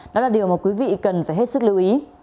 đó là điều mà quý vị cần phải hết sức lưu ý